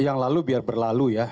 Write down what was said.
yang lalu biar berlalu ya